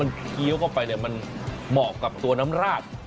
มันเคี้ยวเข้าไปเนี่ยมันเหมาะกับตัวน้ำราด